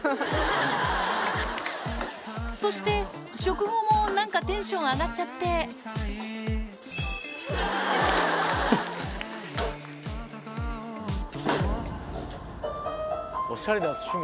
そして食後も何かテンション上がっちゃっておしゃれな趣味